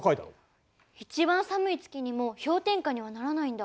一番寒い月にも氷点下にはならないんだ。